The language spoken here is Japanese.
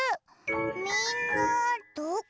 みんなどこ？